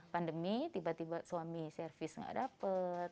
pandemi tiba tiba suami service tidak dapat